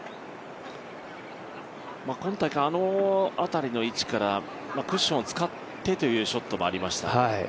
今大会、あの辺りの位置からクッションを使ってというショットもありました。